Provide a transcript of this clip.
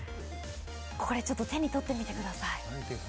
これ、ちょっと手に取ってみてください。